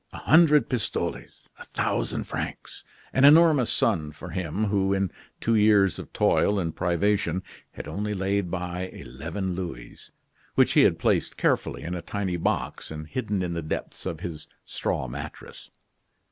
A hundred pistoles! A thousand francs! an enormous sum for him who, in two years of toil and privation had only laid by eleven louis, which he had placed carefully in a tiny box and hidden in the depths of his straw mattress.